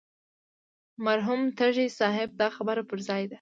مرحوم تږي صاحب دا خبره پر ځای ده.